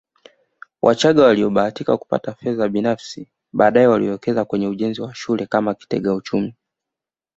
Wachagga waliobahatika kupata fedha binafsi baadaye waliwekeza kwenye ujenzi wa shule kama kitega uchumi